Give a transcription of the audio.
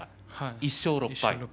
１勝６敗。